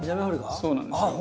そうなんですよ。